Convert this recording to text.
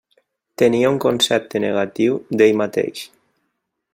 Tenia un concepte negatiu d'ell mateix.